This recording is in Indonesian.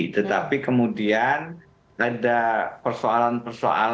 tetapi kemudian ada persoalan persoalan